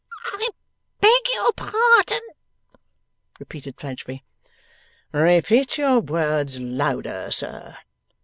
'I beg your pardon,' repeated Fledgeby. 'Repeat your words louder, sir.